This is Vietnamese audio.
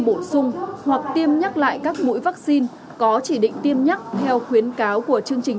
bổ sung hoặc tiêm nhắc lại các mũi vaccine có chỉ định tiêm nhắc theo khuyến cáo của chương trình